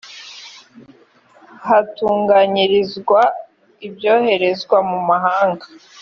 hatunganyirizwa ibyoherezwa mu mahanga